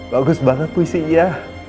bagus banget puisinya